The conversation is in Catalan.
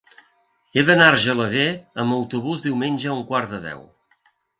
He d'anar a Argelaguer amb autobús diumenge a un quart de deu.